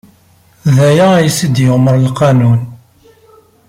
D aya ayyes d-yumeṛ lqanun.